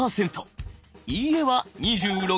「いいえ」は２６％。